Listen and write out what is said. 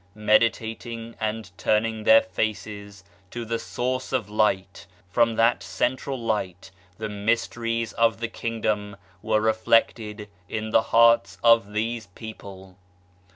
Meditating, and turning their faces to the Source of Light, from that central Light the mysteries of the Kingdom were reflected in the hearts of these people.